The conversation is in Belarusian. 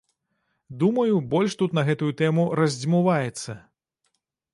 Думаю, больш тут на гэтую тэму раздзьмуваецца.